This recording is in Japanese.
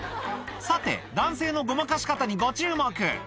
さて男性のごまかし方にご注目